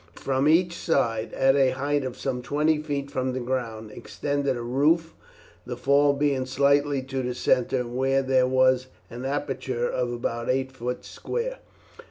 From each side, at a height of some twenty feet from the ground, extended a roof, the fall being slightly to the centre, where there was an aperture of about eight feet square.